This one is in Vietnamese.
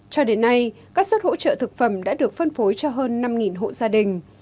cho đến nay các suất hỗ trợ thực phẩm đã được phân phối cho hơn năm hộ gia đình